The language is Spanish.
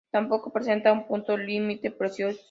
Tampoco presenta un punto límite preciso.